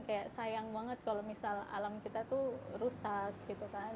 kayak sayang banget kalau misal alam kita tuh rusak gitu kan